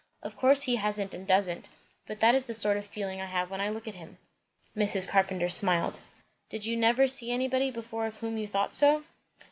Of course he hasn't and doesn't; but that is the sort of feeling I have when I look at him." Mrs. Carpenter smiled. "Did you never see anybody before of whom you thought so?"